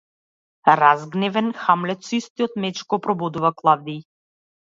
Разгневен, Хамлет со истиот меч го прободува Клавдиј.